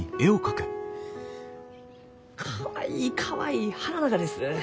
かわいいかわいい花ながです！